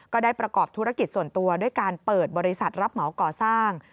ก็ได้ประกอบธุรกิจส่วนตัวด้วยการเปิดบริษัทรับเหมาก่อสร้าง